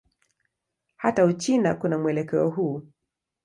Hata Uchina kuna mwelekeo huu.